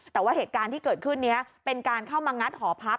แต่ว่าเหตุการณ์ที่เกิดขึ้นนี้เป็นการเข้ามางัดหอพัก